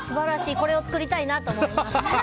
これを作りたいなと思います。